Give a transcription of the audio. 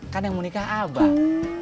kan yang mau nikah abang